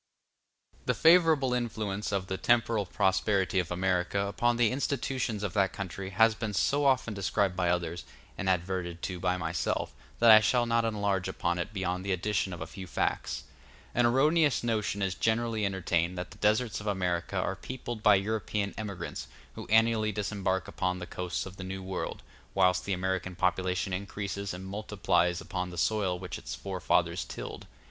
The favorable influence of the temporal prosperity of America upon the institutions of that country has been so often described by others, and adverted to by myself, that I shall not enlarge upon it beyond the addition of a few facts. An erroneous notion is generally entertained that the deserts of America are peopled by European emigrants, who annually disembark upon the coasts of the New World, whilst the American population increases and multiplies upon the soil which its forefathers tilled.